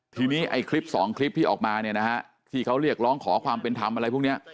ทีนี้ไอ้คลิปสองคลิปที่ออกมาเนี่ยนะฮะที่เขาเรียกร้องขอความเป็นธรรมอะไรพวกนี้